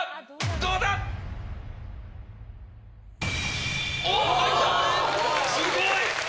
⁉どうだ⁉すごい！